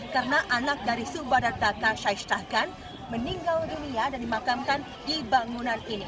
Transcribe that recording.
karena anak dari subadat dhaka shahistaghan meninggal dunia dan dimakamkan di bangunan ini